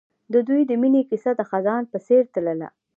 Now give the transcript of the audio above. د دوی د مینې کیسه د خزان په څېر تلله.